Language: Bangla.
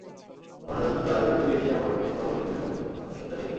গহনযাত্রা দেখতে গিয়ে সেটি আবারও টের পাওয়া গেল নিরাভরণ মঞ্চসজ্জা দেখে।